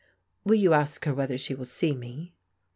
" Will you ask her whether she will see me?